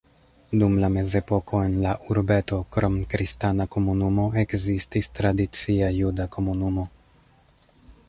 Dum la mezepoko en la urbeto krom kristana komunumo ekzistis tradicia juda komunumo.